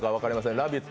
「ラヴィット！」